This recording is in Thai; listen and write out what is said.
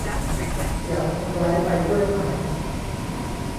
อยากทำร้ายไปด้วยไหม